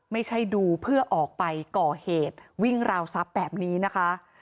ไม่ใช่ดูเพื่อออกไปก่อเหตุวิ่งราวทรัพย์แบบนี้นะคะ